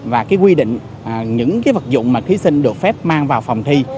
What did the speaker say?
và cái quy định những cái vật dụng mà thí sinh được phép mang vào phòng thi